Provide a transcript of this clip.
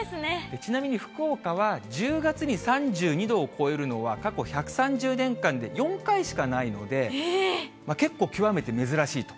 ちなみに福岡は１０月に３２度を超えるのは過去１３０年間で４回しかないので、結構極めて珍しいと。